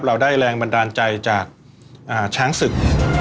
เราได้แรงบันดาลใจจากช้างศึก